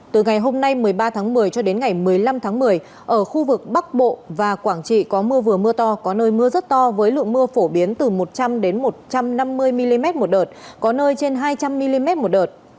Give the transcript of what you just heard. từ ngày hôm nay một mươi ba tháng một mươi cho đến ngày một mươi năm tháng một mươi ở khu vực bắc bộ và quảng trị có mưa vừa mưa to có nơi mưa rất to với lượng mưa phổ biến từ một trăm linh một trăm năm mươi mm một đợt có nơi trên hai trăm linh mm một đợt